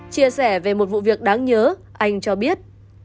chia sẻ về một vụ việc đáng nhớ anh cho biết